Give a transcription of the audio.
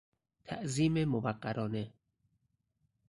تعظیم موقرانه